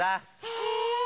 へえ！